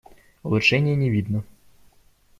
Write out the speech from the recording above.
Улучшения не видно.